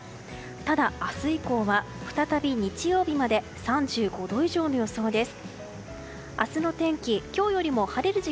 ただ明日以降は再び日曜日まで３５度以上の予想です。